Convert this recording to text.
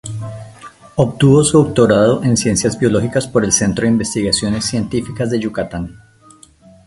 Obtuvo su doctorado en Ciencias Biológicas por el "Centro de Investigaciones Científicas de Yucatán".